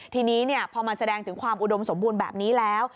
ทีนี้พอมันแสดงถึงความอุดมสมบูรณ์แบบนี้แล้ว